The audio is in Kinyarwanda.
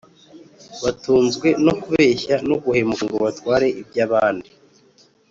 batunzwe no kubeshya no guhemuka ngo batware iby’abandi